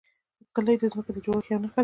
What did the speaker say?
کلي د ځمکې د جوړښت یوه نښه ده.